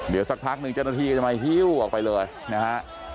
เดี๋ยวสักพักหนึ่งเจ้าหน้าที่ก็จะมาฮิ้วออกไปเลยนะฮะ